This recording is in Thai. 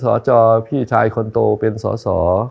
สจพี่ชายคนโตเป็นสอสอ